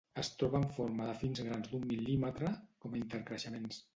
Es troba en forma de fins grans d'un mil·límetre, com a intercreixements.